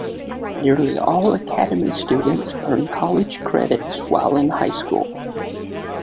Nearly all Academy students earn college credits while in high school.